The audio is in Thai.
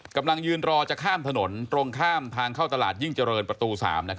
กำลังยืนรอจะข้ามถนนตรงข้ามทางเข้าตลาดยิ่งเจริญประตู๓